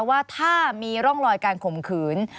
ว่าถ้ามีร่องรอยการข่มขืน